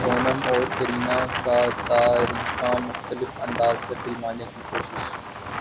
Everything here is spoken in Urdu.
سونم اور کرینہ کا تعریفاں مختلف انداز سے فلمانے کی کوشش